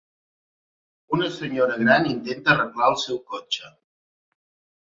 una senyora gran intenta arreglar el seu cotxe